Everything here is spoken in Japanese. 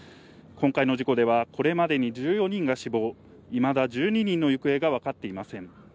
今回の事故ではこれまでに１４人が死亡、いまだ１２人の行方が分かっていません。